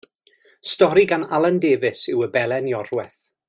Stori gan Alan Davies yw Y Belen Iorwerth.